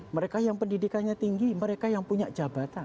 mereka yang pendidikannya tinggi mereka yang punya jabatan